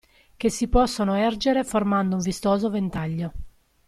Che si possono ergere formando un vistoso ventaglio.